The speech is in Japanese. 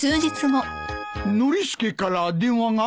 ノリスケから電話が？